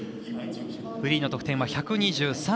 フリーの得点は１２３．９２。